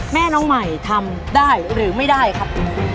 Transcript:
แม่น้องใหม่ทำได้หรือไม่ได้ครับ